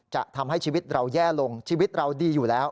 จะทำให้ชีวิตเราแย่ลงชีวิตเราดีอยู่แล้ว